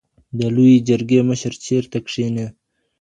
د لویې جرګي مشر چېرته کښیني؟